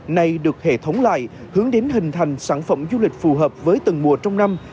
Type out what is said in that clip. này được hệ thống lại hướng đến hình thành sản phẩm du lịch phù hợp với từng mùa trong năm